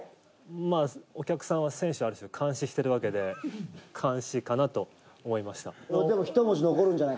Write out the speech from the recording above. まあお客さんは選手をある種監視してるわけで「かんし」かなと思いました。